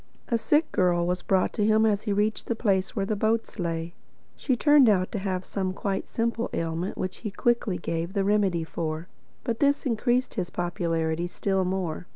A sick girl was brought to him as he reached the place where the boats lay. She turned out to have some quite simple ailment which he quickly gave the remedy for. But this increased his popularity still more.